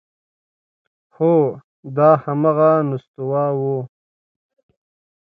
هو دا همغه نستوه و…